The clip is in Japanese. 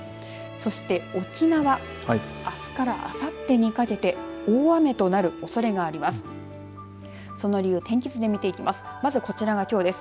そして沖縄あすからあさってにかけて大雨となるおそれがあります。